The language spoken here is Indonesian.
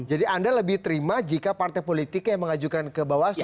jadi anda lebih terima jika partai politik yang mengajukan ke bawaslu